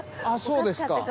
あっそうですか。